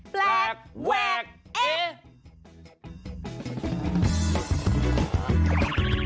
แปลกแวกเอ